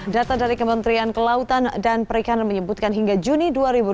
data dari kementerian kelautan dan perikanan menyebutkan hingga juni dua ribu delapan belas